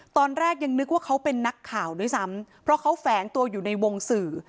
ตอนแรกยังนึกว่าเขาเป็นนักข่าวด้วยซ้ำเพราะเขาแฝงตัวอยู่ในวงสื่อ